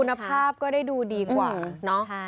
คุณภาพก็ได้ดูดีกว่า